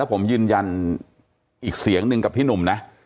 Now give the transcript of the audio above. ผมยืนยันอีกเสียงหนึ่งกับพี่หนุ่มนะ